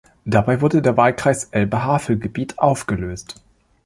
Dabei wurde der Wahlkreis Elbe-Havel-Gebiet aufgelöst.